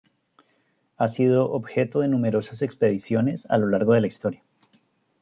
Ha sido objeto de numerosas expediciones a lo largo de la historia.